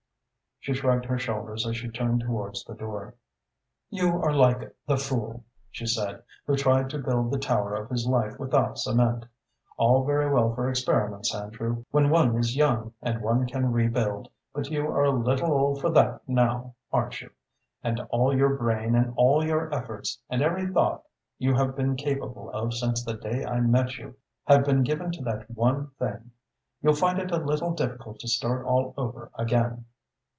She shrugged her shoulders as she turned towards the door. "You are like the fool," she said, "who tried to build the tower of his life without cement. All very well for experiments, Andrew, when one is young and one can rebuild, but you are a little old for that now, aren't you, and all your brain and all your efforts, and every thought you have been capable of since the day I met you have been given to that one thing. You'll find it a little difficult to start all over again.